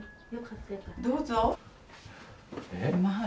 どうぞ。